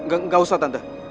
gak usah tante